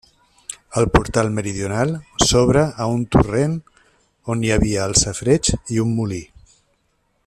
El portal meridional s'obre a un torrent on hi havia el safareig i un molí.